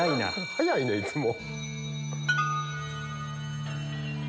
早いねんいつも。